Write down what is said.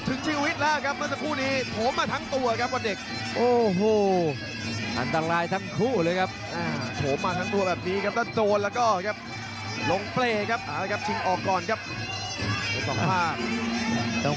โจงเชียร์มาเยอะนะครับสำหรับทีมงานย่วยดวกันซ่าง